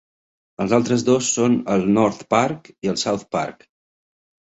Els altres dos són el North Park i el South Park.